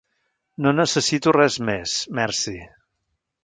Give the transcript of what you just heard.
No necessito res més, merci.